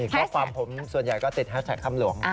ข้อความผมส่วนใหญ่ก็ติดแฮชแท็กคำหลวง